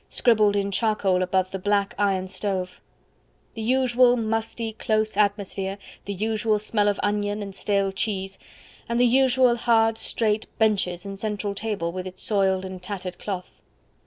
scribbled in charcoal above the black iron stove; the usual musty, close atmosphere, the usual smell of onion and stale cheese, the usual hard straight benches and central table with its soiled and tattered cloth.